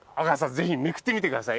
ぜひめくってみてください